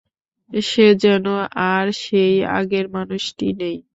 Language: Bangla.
সে যেন আর সেই আগের মানুষটি নেই।